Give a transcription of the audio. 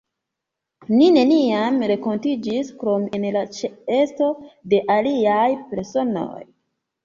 Ni neniam renkontiĝis, krom en la ĉeesto de aliaj personoj.